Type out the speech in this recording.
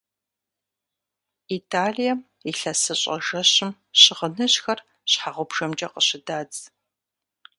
Италием ИлъэсыщӀэ жэщым щыгъыныжьхэр щхьэгъубжэмкӀэ къыщыдадз.